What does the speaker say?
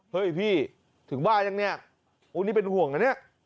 เฮ้ยพี่ถึงบ้ายังเนี่ยโอ้นี่เป็นห่วงนะเนี่ย